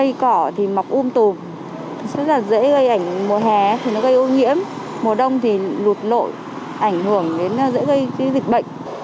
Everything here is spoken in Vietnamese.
cây cỏ thì mọc um tùm rất là dễ gây ảnh mùa hè thì nó gây ô nhiễm mùa đông thì lụt lội ảnh hưởng đến dễ gây dịch bệnh